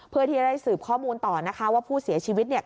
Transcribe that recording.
เพื่อที่จะได้สืบข้อมูลต่อนะคะว่าผู้เสียชีวิตเนี่ย